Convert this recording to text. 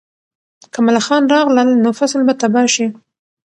که ملخان راغلل، نو فصل به تباه شي.